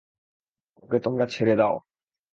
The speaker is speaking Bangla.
ওকে তোমরা ছেড়ে দাও।